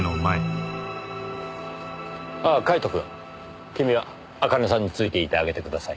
あっカイトくん君は茜さんについていてあげてください。